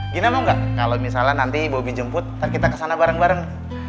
gina mau nggak kalau misalnya nanti bobi jemput nanti kita kesana bareng bareng